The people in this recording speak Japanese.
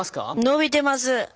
伸びてます。